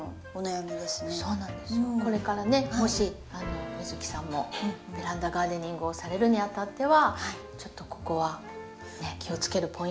これからねもし美月さんもベランダガーデニングをされるにあたってはちょっとここは気をつけるポイントになるんですけど。